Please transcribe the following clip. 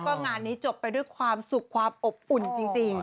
ก็งานนี้จบไปด้วยความสุขความอบอุ่นจริง